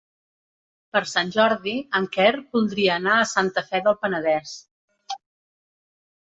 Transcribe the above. Per Sant Jordi en Quer voldria anar a Santa Fe del Penedès.